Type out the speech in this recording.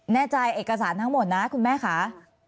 แน่ใจเอกสารทั้งหมดนะคุณแม่ค่ะ